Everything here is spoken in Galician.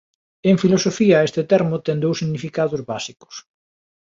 En filosofía este termo ten dous significados básicos.